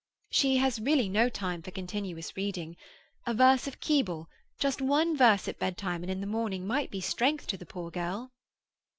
"She has really no time for continuous reading. A verse of Keble—just one verse at bedtime and in the morning might be strength to the poor girl."